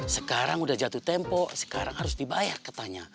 sekarang sudah jatuh tempo sekarang harus dibayar katanya